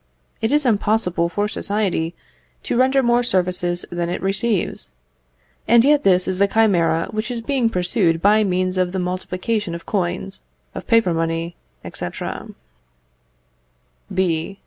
It is impossible for society to render more services than it receives, and yet this is the chimera which is being pursued by means of the multiplication of coins, of paper money, &c. B.